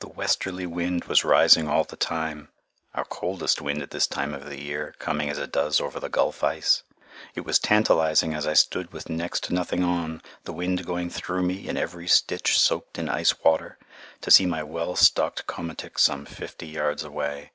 The westerly wind was rising all the time, our coldest wind at this time of the year, coming as it does over the Gulf ice. It was tantalizing, as I stood with next to nothing on, the wind going through me and every stitch soaked in ice water, to see my well stocked komatik some fifty yards away.